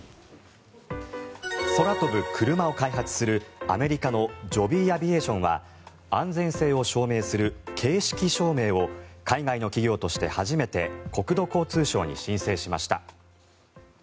空飛ぶクルマを開発するアメリカのジョビー・アビエーションは安全性を証明する型式証明を海外の企業として初めて国土交通省に申請しました。